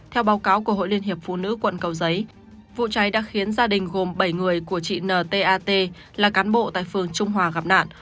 theo báo cáo của hội liên hiệp phụ nữ quận cầu giấy vụ cháy đã khiến gia đình gồm bảy người của chị n tat là cán bộ tại phường trung hòa gặp nạn